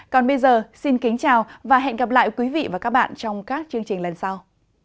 còn bây giờ xin kính chào và hẹn gặp lại quý vị và các bạn trong các chương trình lần sau